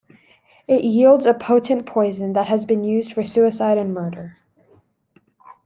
It yields a potent poison that has been used for suicide and murder.